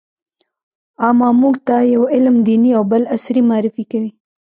اما موږ ته يو علم دیني او بل عصري معرفي کوي.